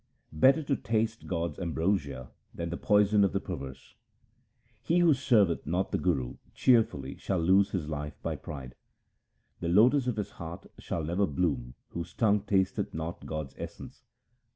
Better to taste God's ambrosia than the poison of the perverse :— He who serveth not the Guru cheerfully shall lose his life by pride. The lotus of his heart shall never bloom whose tongue tasteth not God's essence.